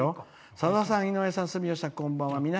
「さださん、住吉さん、井上さんこんばんは。